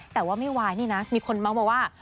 แต่ว่าไม่ไหวนี่นะมีคนมาว่า